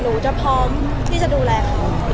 หนูจะพร้อมที่จะดูแลเขา